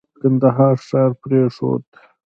د کندهار ښار پرېښود.